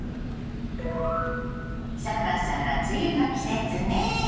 そろそろ梅雨の季節ね。